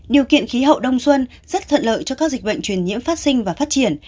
điều kiện khí hậu đông xuân rất thuận lợi cho các dịch bệnh truyền nhiễm phát sinh và phát triển